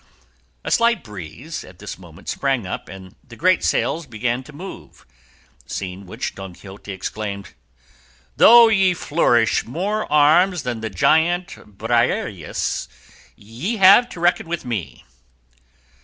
A slight breeze at this moment sprang up, and the great sails began to move, seeing which Don Quixote exclaimed, "Though ye flourish more arms than the giant Briareus, ye have to reckon with me."